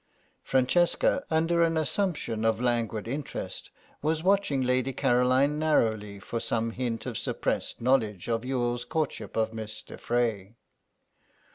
Francesca, under an assumption of languid interest, was watching Lady Caroline narrowly for some hint of suppressed knowledge of Youghal's courtship of Miss de Frey.